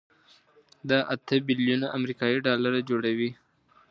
دا اته بيلیونه امریکایي ډالره جوړوي.